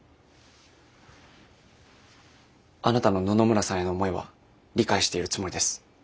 あなたの野々村さんへの思いは理解しているつもりです。